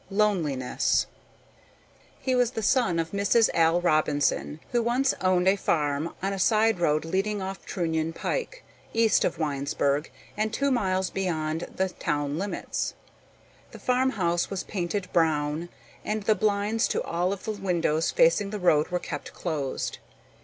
LONELINESS He was the son of Mrs. Al Robinson who once owned a farm on a side road leading off Trunion Pike, east of Winesburg and two miles beyond the town limits. The farmhouse was painted brown and the blinds to all of the windows facing the road were kept closed.